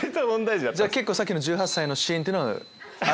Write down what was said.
じゃあ結構さっきの１８歳のシーンっていうのは。